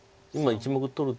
１目取る。